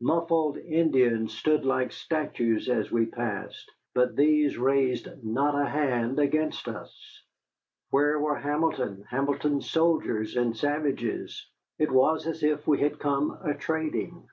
Muffled Indians stood like statues as we passed, but these raised not a hand against us. Where were Hamilton, Hamilton's soldiers and savages? It was as if we had come a trading.